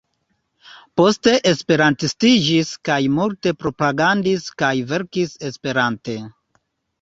Poste Esperantistiĝis kaj multe propagandis kaj verkis Esperante.